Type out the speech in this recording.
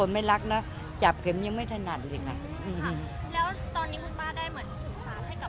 ไม่รักนะจับเข็มยังไม่ถนัดเลยค่ะแล้วตอนนี้คุณป้าได้เหมือนสื่อสารให้กับ